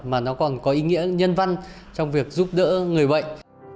mà nó còn có ý nghĩa nhân văn trong việc giúp đỡ người bệnh